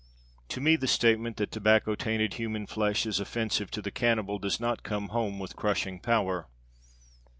To me the statement that tobacco tainted human flesh is offensive to the cannibal does not come home with crushing power.